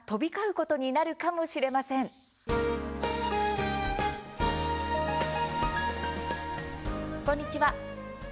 こんにちは。